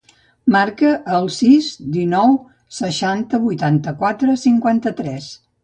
Marca el sis, dinou, seixanta, vuitanta-quatre, cinquanta-tres.